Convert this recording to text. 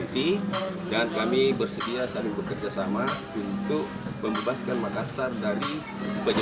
kita mau tahu dulu kenapa dia komunikasi dengan suppliernya